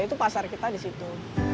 itu pasar kita di situ